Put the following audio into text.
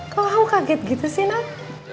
kalau kamu kaget gitu sih nak